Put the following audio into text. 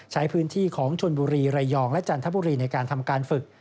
ใช้พื้นที่ของชนบุรีระยองและจันทบุรีในการทำการฝึก